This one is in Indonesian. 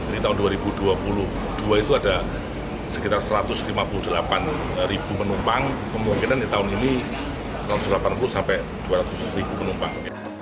di tahun dua ribu dua puluh dua itu ada sekitar satu ratus lima puluh delapan penumpang kemungkinan di tahun ini satu ratus delapan puluh sampai dua ratus ribu penumpang